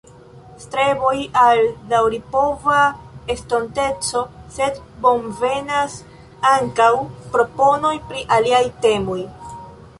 Streboj al daŭripova estonteco, sed bonvenas ankaŭ proponoj pri aliaj temoj.